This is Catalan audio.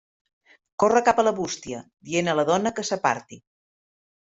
Corre cap a la bústia, dient a la dona que s'aparti.